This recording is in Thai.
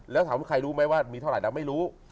แล้วถามว่าใครรู้ไหมว่ามีเท่าไหร่ไม่รู้